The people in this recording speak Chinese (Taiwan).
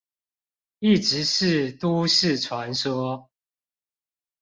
一直是都市傳說